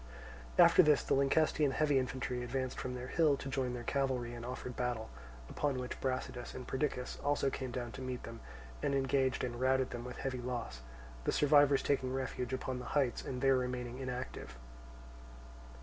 After this the Lyncestian heavy infantry advanced from their hill to join their cavalry and offered battle; upon which Brasidas and Perdiccas also came down to meet them, and engaged and routed them with heavy loss; the survivors taking refuge upon the heights and there remaining inactive.